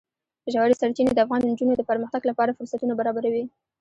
ژورې سرچینې د افغان نجونو د پرمختګ لپاره فرصتونه برابروي.